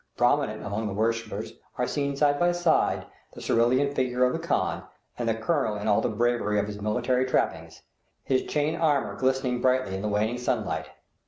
Prominent among the worshippers are seen side by side the cerulean figure of the khan, and the colonel in all the bravery of his military trappings, his chain armor glistening brightly in the waning sunlight.